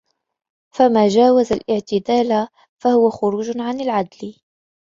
فَمَا جَاوَزَ الِاعْتِدَالَ فَهُوَ خُرُوجٌ عَنْ الْعَدْلِ